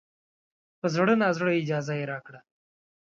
په زړه نازړه اجازه یې راکړه.